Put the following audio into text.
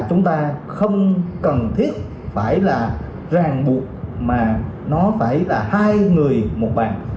chúng ta không cần thiết phải là ràng buộc mà nó phải là hai người một bàn